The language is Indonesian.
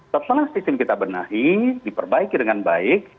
setelah sistem kita benahi diperbaiki dengan baik